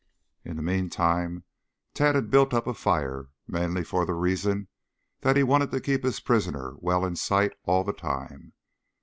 In the meantime Tad had built up a fire, mainly for the reason that he wanted to keep his prisoner well in sight all the time.